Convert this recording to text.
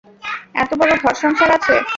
এতো বড় ঘর-সংসার আছে।